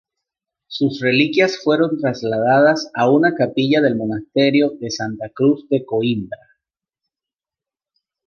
Sus reliquias fueron trasladadas a una capilla del monasterio de Santa Cruz de Coimbra.